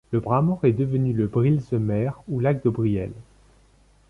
Le bras mort est devenu le Brielse Meer ou lac de Brielle.